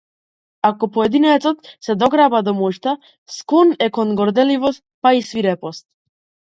Ако поединецот се дограба до моќта, склон е кон горделивост па и свирепост.